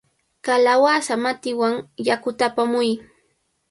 ¡Kalawasa matiwan yakuta apamuy!